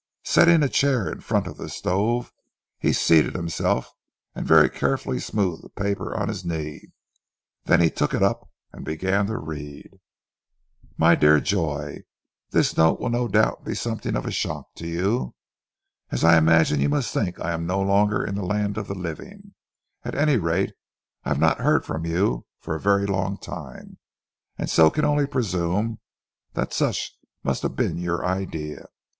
Setting a chair in front of the stove, he seated himself, and very carefully smoothed the paper on his knee. Then he took it up and began to read. "MY DEAR JOY, "This note will no doubt be something of a shock to you; as I imagine you must think I am no longer in the land of the living; at any rate I have not heard from you for a very long time, and so can only presume that such must have been your idea.